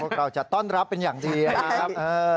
เราจะต้อนรับเป็นอย่างดีนะครับ